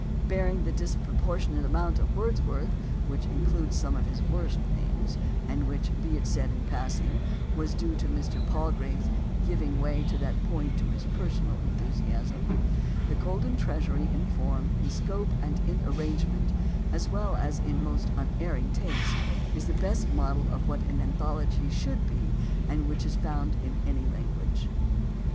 Barring the disproportionate amount of Wordsworth, which includes some of his worst things — and which, be it said in passing, was due to Mr. Palgrave's giving way at that point to his personal enthusiasm — the Golden Treasury in form, in scope, and in arrangement, as well as in almost 232 AS TO ANTHOLOGIES unerring taste, is the best model of what an anthology should be which is to be found in any language.